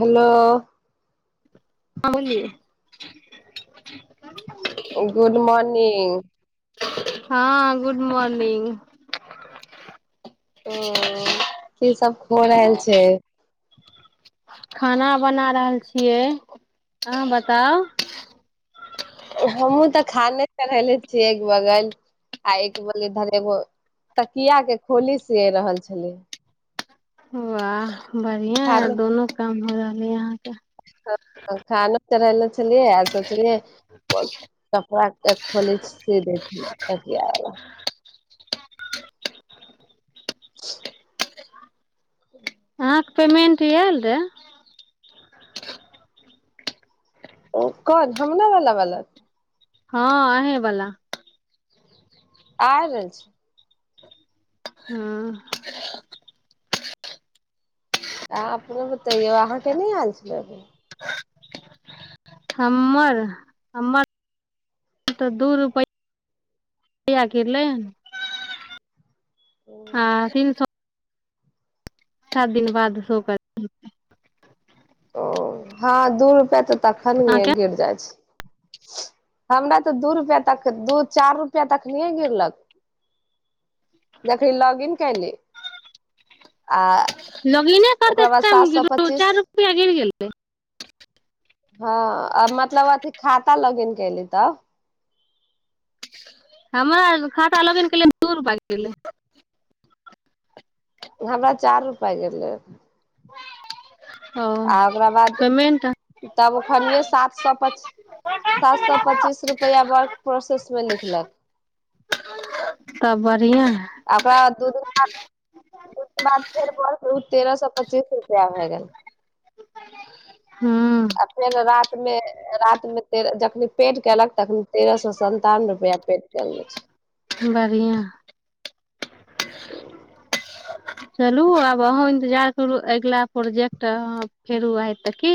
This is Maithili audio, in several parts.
हेलो आ मुली ह हँ गुड मॉर्निंग ह की सब हो रहल छै खाना बना रहल छियै अहाँ बताउ हमहुूँ तऽ खाने चढ़ेले छियै एक बगल आ एक बल इधर एगो तकिया के खोली सि रहल छलिय वाह बढ़िआ है दोनो काम हो रहलै यहाँ तऽ खाना चढ़ले छलियै आ सब [unintelligible] खोलज से र सी [unintelligible] [unintelligible] अहाँके पेमेंट आयल रहए ओ कोन हमरा वाला वाला हँ अहे बला आ रहल छै हँ अऽ अपनो बतैयौ अहाँ के नहि आयल छलै अभी हमर हमर तऽ दू रुपैआ रुपैआ किरलै हन हँ फर सात दिन बाद सो कर ओ हँ दू रुपआ तऽ तखन अहाँके गिर जाइ छै हमरा तऽ दू रुपैआ तक दू चारि रुपैआ तक नहिए गिरलक जखनी लॉग इन कली आ लॉगिने करते ओकरा टाइम बादात स गिरलो पचस चारि रुपआ गिर गेलै ह मतलब अथि खाता लगे कलित हमरार खाता लगेन केलै दू रुपैआ कै हमरा चार पै गेल लै ओ आ ओकरा बाद पेमेंट तब ओ खन सात सए सात सए पच्चीस रुपैआ वर्क प्रोसेसमे लिखलक त ब अपरा दूध ओ बाद फेर ब ओ तेरह सए पच्चीस रुपआ भए गेल हूँ आ फेर रामे रातमे ते जखनी पेट कलक तखन तेरह सए सन्तावन रुपआ पेट कल जाो छै बढ़िआँ चलू आब अहूँ इन्तजार करू अगिला प्रोजेक्ट अह फेरू आय तऽ की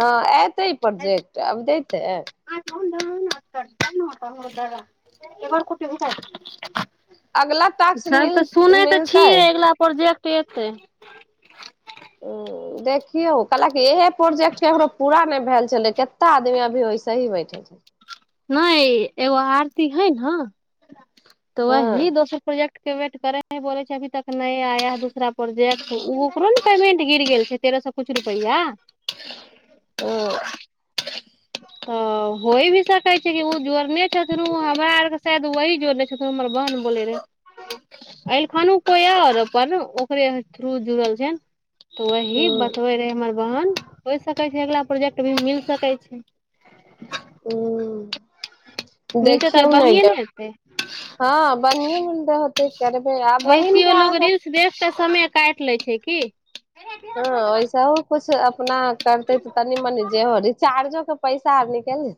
हँ ए देते प्रोजेक्ट अब देतेै म हमर दादा एार कते उठ अगला टास्क सब मिल तऽ सुनै तऽ मिलतै छीिय अगिल पर जे पे त ह देखियौ कहलकि इहे प्रोजेक्ट ककरो पूरा नहि भेल छलै कतेक आदमी अभी ओइसेही बैठल छल नहि एगो आरती है ने तऽ ओ अही हँ दोस प्रोजेक्ट वेट करे ह बोले छै अभी तक नहि आया ह दूसरा प्रोजेक्ट ओ ओकरो ने पेमेंट गिर गेल छै तेरह सए कुछु रुपआ आ ह हो भी त छै ओ ज ने छथिन ओ हमरा आरके शाय त वही जोड़ने छै त हमर बन बोे रहे अल खानू को यार पर ने ओकरे थ्रू जुड़ल छै तऽ ह वही बतबे रहै हमर बहन होइ सकै छै अगला प्रोजेक्ट भी मिल सकै छै ओ मिलतै तऽ देखियौ आर ने बढ़िए य हेतै हँ बढ़े मिलते होते करबे आ बहिन के एकटा समय काटि लै छै की हँ ओैसा किछ अपना करते तऽ तनी मनि जेहोचार्जो त पैसार निकल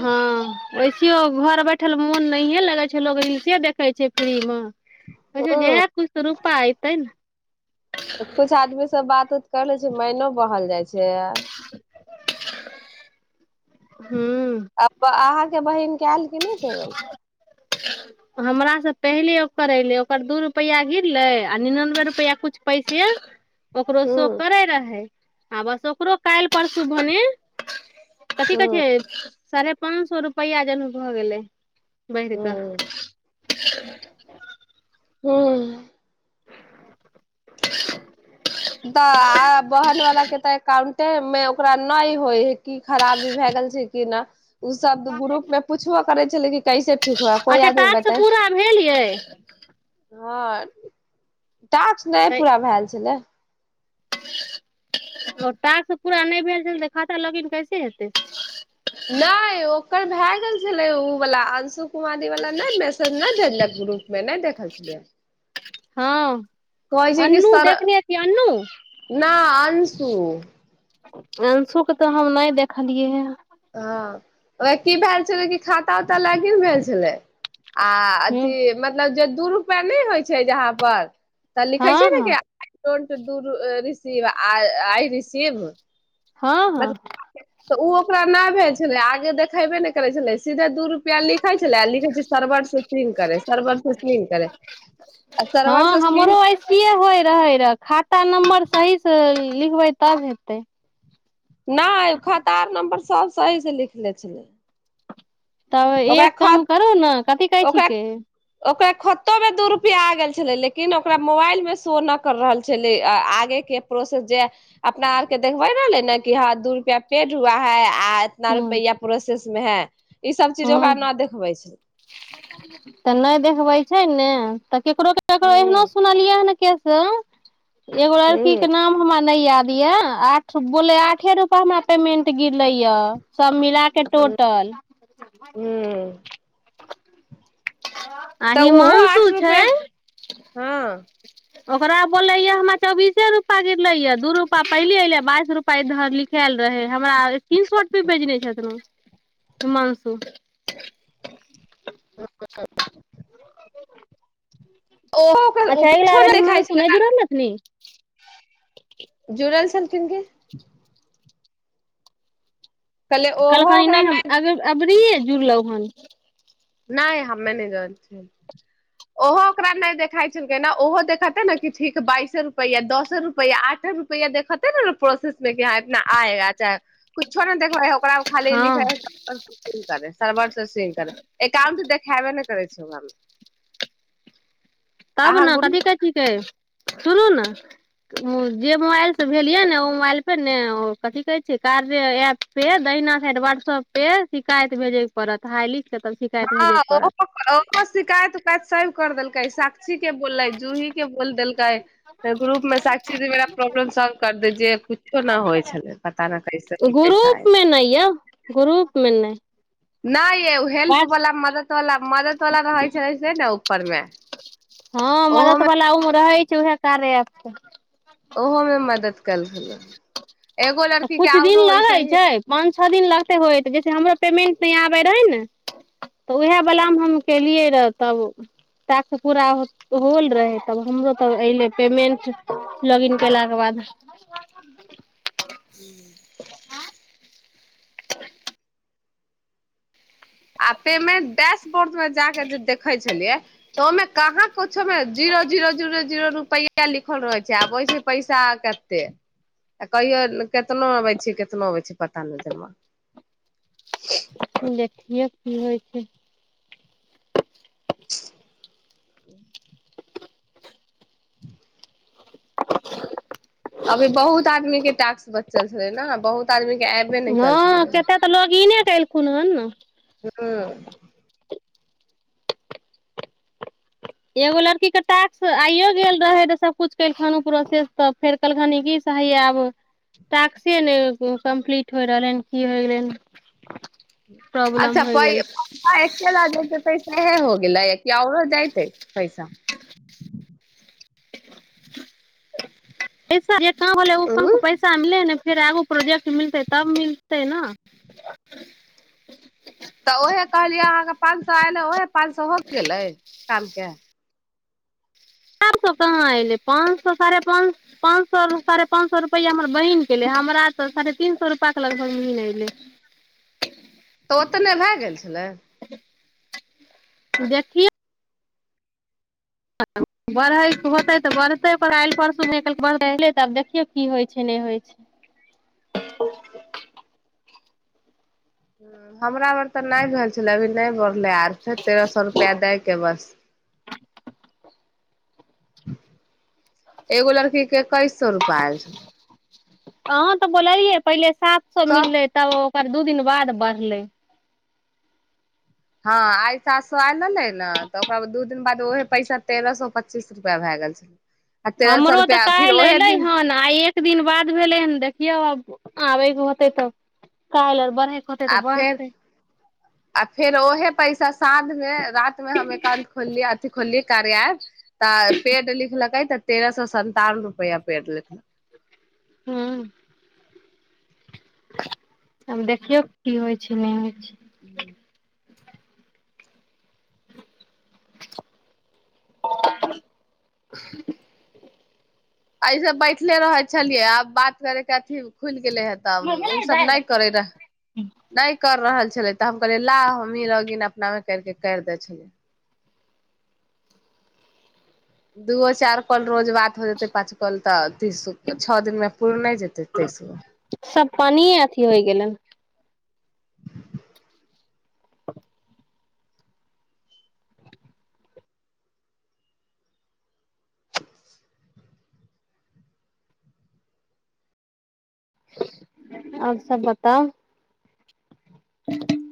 हँ ओस देखो घर बैठल मोन नहिये लगे छै लोग रील्से देखे छै फ्री में अचछा जेतै जह किछु तऽ रूपा अयतै ने कछ आदमी से बात कर लै छै मैनो बहल जाइ छै हूँ आ अहाँके बहिन कल क नहि पेमंट हमरा से पहिले ओ करे ले ओकर दू रुपैआ गिरलै आ निनानबे रुपैआ किुछु पैसे ओकरो शो हूँ करे रहै आ बस ओकरो काल्हि परसू भनी कथी कहै हूँ छै सारे पाँच सए रुपैआ जन भऽ गेलै बहिर का हूँ [unintelligible] हू तऽ बहन वला के तऽ कउंट मे ओकरा नहि होइ है कि खराबी भए गेल छै कि नहि ओ सब ग्रुप मे पुछबो करै छल कि कैसे ठीक हुए कोई अच्छा याद नहि टास्क बताए पूरा भेल यै आओर तच नहि पूरा भए छलै आ ास् पूरा नहि भेल छै तऽ खाता लगिन कैसे हेतै नहि ओ ओकर भए गेल छलै ओ वालला अंशु कुमारी वाल न नहि मेसज नहि झलक ग्रुप में नहि देखल द हँ कहै छै कि अन्नू सर देखने छियै अन्नू न अंशु अंशु के तऽ हम नहि देखलियै हे हँ उह की भेल छलै कि खाता उाता लागि भेल छलै हे आथी मतलब जे दू रुपआ नहि होइ छै जहाँ पर तऽ लिखै छियै हँ ने हँ कि रीव आइ रसीव हँ हँ मतलब तऽ ओ ओकरा नहि भेज छल आगे देखेबे नहि करै छलै सीधे दूर लिखै छल लिवरेवरे सर हँ हमरो ऐसिये होय रहे रह खाता नम्बर सही लिखबै तब हेतै नहि खातार नम्बर सब सही से लिखले छलै तब ओकरा एक ख काम करू ने कथी कहै छिकै खत्तो मे दू रुपआ आ गेल छलै लेकिन ओकरा मोबाइल मे शो न कर रहल छै छलै आगेके प्रोसेस जे अपना आर के देखबे रहलै ने क हँ दू रुपआ पेट हुआ है आ एतना हूँ रुपैआ पोसेस सु ई सब चीज ओकरा हूँ न देखबै छै तऽ नहि देखबै छै ने तऽ केकरो केकरो एहनो हूँ सुनलियै ह कस एगो लड़की हूँ के नाम हम र मिलाके टोटल हू आ ओहो हिमानसु आठ रुपए छै हँ ओकरा बोलल हेै हमरा चौबीसे रूपा गिरले ये दू रूपा पहिले एऐले बाइस रूपा इधर लिखायल रहे हमरा तीन सए रुपैएे बेेजने छथिन मानसू हँ [unintelligible] अच्छा ओकर अग गेल कुछो आबर नहि हिमाान देखाइ सुनै छलै ज रहल रहल ने न कन के कहले ओहो कलखानी ओकरा नहि हम अग अब रे खजू लउ हन नहि हमे नहि जान छिय ओहो ओकरा नहि देखााय छलै ने ओहो देखते ने ठीक बाइसे रुपआ दसे रुपआ आठे रुपआ देखेते ने प्रोसेस मे ह इतना आएगा चे कुछो देखब ओक खाली हँ लिखे सर्वर से स करे क तऽ देखैब नहि कर छ तब ने कथी कै छिकै सुनू ने जे मोबाइल से भेलियै ने ओ मोबाइल पे ने कथी कहै छ कार एप पे दहिना साड वाट्सऐप पे शिकायत भेजेके पड़त हाइ लिख के तब शिकायत हँ भेजैके ओ पड़त ओ मस्तीिकायत प साब कर देलकै साक्षी के बलै जूही के ब देलकाय ग्रुप मेमेाक्षीीरा प्रॉबलम सल्व कर दे दजिय कुछ तना होइ छलै पता न कैसे के कैसा आय ग्रुप मे नहि यौ ग्रुप मे नहि नहि हेल्प वाट वाला मदद वाला मदद वला रहै छै से ने परमे हँ मजा त पल आउ रहै छै उएह सारे आत ओहोमे मदद कल रहल तऽ कछु दिन लगैत छै पाँच छओ दिन लगते होय जैसे हमरो पेमेंट आबे रहै ने तऽ उएह बला मे हम केलियै रऽ तब ताक पूरा होल रहै तब हमरो तऽ ले पेमेंट लॉगिन कलाके बाद हू त आ पेमेंट डैशबोर्ड मे जाक जे देखे छलियै तमे कहाँ कमे जीरो जीो जरो जीरो रू पै लिखल रहै छै आबै छै पैसा कते आ कहियो केतना अबै छै कितना अबे छै पता नहि जमा देखियौ की होइ छै [unintelligible] [unintelligible] अभी बहुत आदमी के टै्स बचल छले ने बहुत आदमी के एबे नहि कयल छलै हँ कतेक तऽ लोग ईने क एलखुन हन ने ह एगो लड़कीके टास्क आइो गेल रहै तऽ सभकुछु केलखन प्रोसेस तऽ फेर कहलखिन की स हीये आब टास्स ने कम्प्लीट होय रहलै हन की होय गेलै प्रॉब्लम अच्छा होइ प गेल एक ल पैसे हे हो गेल याव दयते पैसा ई सारि काँ बल ओऊ उ क पैसा मिले ने फेर एगो प्रोजेक्ट मिलतै तब मिलतै न तऽ उहे कहलियै अहाँके पाँच सए आयल कए चार सए कहाँ अयलै पाँच सए साढ़े पाँच पाँच सए साढ़े पाँच सए रुपैआ हमर बहीनके एलै हमरा तऽ साढ़े तीन सए रुपैआके लग बहीन अयलै तऽ ओतने भए गेल छलै देखियए बढ़ैके होतै तऽ बढ़तै पर आाल्हि परसूमे काल्हि बढ़ै एै तऽ आब देखियौ की होइ छै नहि होइ छै हमरा बेर तऽ नहि भेल छलै अभी नहि बढ़लै आर छै तेरह सए रुपैआ दैके बस एगो लड़की के कईस सो रुपआ आल छै हँ तऽ बोललियै पहिले सात सए मिल सब रह त ओ पर दू दिन बाद बढ़लै हँ आइ सात सए आइ लेले ने तऽ ओकरााद दू दिन बाद ओहे पैसा तेरह सए पच्चीस रुपआ भए गेल छलै आ तेरह सए हमरो तऽ रुपआ फिर काल्हि ओहे एयलै दिन हन आइ एक दिन बाद भेलै हन देखियौ आब आबैग होते तऽ कल बराके होतै आ तऽ फेर बढ़तै आ फेर ओहे पैसा सााँझ मे रात मे हम एकाउंट खोललिय अथिी खोललियै कार्य तऽ पेड लिखलकै तऽ तेर सए सन्तान रुपआ पे ल हँ आब देखियौ की होइ छै नहि होइ छै हँ आ अस बैठले रह छलियै आब बात करे के अथी खुल े हे तब ओ सब नहि करे नहि कर रहल छी छल तऽ हम कहलियै ला हमही लगिन अपना मे करके करि दै छलिय दूओ चार प रोज बात हो जेतै पाँच कल तऽ तीस छओ दिनमे पू नहि जेतै तीसगो हो गेल गेलनि [unintelligible] आब सब बताउ ह